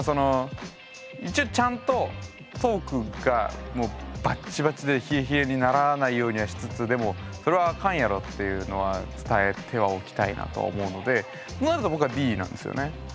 一応ちゃんとトークがバッチバチで冷え冷えにならないようにはしつつでもそれはあかんやろっていうのは伝えてはおきたいなと思うのでまずは僕はＤなんですよね。